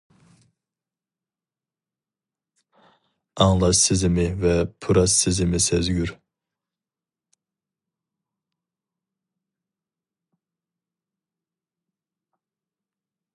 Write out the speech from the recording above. ئاڭلاش سېزىمى ۋە پۇراش سېزىمى سەزگۈر.